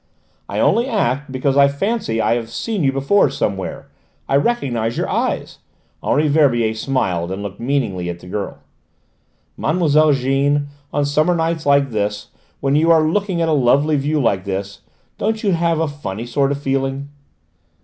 "I only asked because I fancy I have seen you before somewhere. I recognise your eyes!" Henri Verbier smiled, and looked meaningly at the girl. "Mlle. Jeanne, on summer nights like this, when you are looking at a lovely view like this, don't you have a funny sort of feeling?"